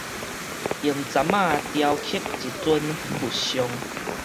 用鏨仔雕刻一尊佛像